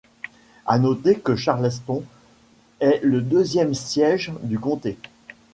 À noter que Charleston est le deuxième siège du comté.